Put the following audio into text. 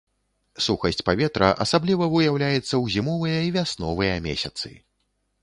Сухасць паветра асабліва выяўляецца ў зімовыя і вясновыя месяцы.